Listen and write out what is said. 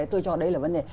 tôi cho đấy là vấn đề